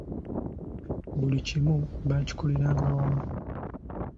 Buli kimu baakikoleranga wamu.